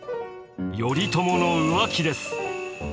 頼朝の浮気です。